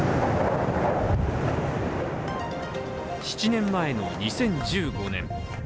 ７年前の２０１５年。